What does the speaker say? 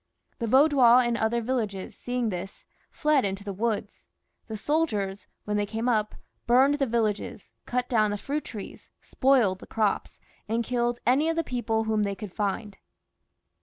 The Vaudois in other villages seeing this, fled into the woods ; the soldiers, when they came up, burned the vil lages, cut down the fruit trees, spoiled the crops, and killed any of the people whom they could find.